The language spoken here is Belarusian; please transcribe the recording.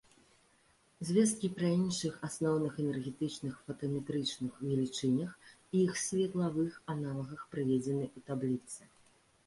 Звесткі пра іншых асноўных энергетычных фотаметрычных велічынях і іх светлавых аналагах прыведзены ў табліцы.